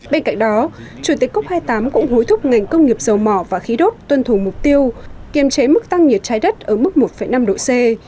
bên cạnh đó chủ tịch cốc hai mươi tám cũng hối thúc ngành công nghiệp dầu mỏ và khí đốt tuân thủ mục tiêu kiềm chế mức tăng nhiệt trái đất ở mức một năm độ c